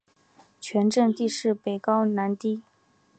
全镇地势北高南低。